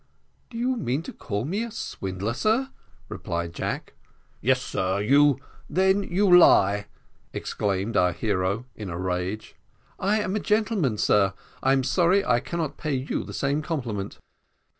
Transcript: "Do you mean to call me a swindler, sir?" replied Jack. "Yes, sir, you " "Then you lie," exclaimed our hero, in a rage. "I am a gentleman, sir I am sorry I cannot pay you the same compliment."